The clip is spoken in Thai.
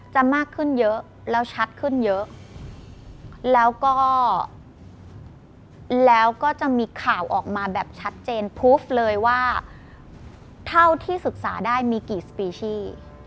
จะมากขึ้นเยอะแล้วชัดขึ้นเยอะแล้วก็จะมีข่าวออกมาแบบชัดเจนพูฟเลยว่าเท่าที่ศึกษาได้มีกี่สปีชี